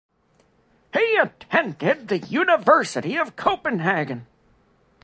He attended the University of Copenhagen.